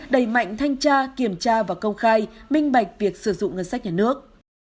đẩy mạnh thanh tra kiểm tra và công khai minh bạch việc sử dụng ngân sách nhà nước